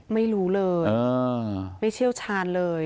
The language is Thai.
ไม่รู้เลยไม่เชี่ยวชาญเลย